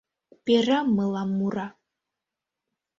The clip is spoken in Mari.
Перам мылам мура: